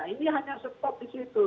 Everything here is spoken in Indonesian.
ini hanya stop di situ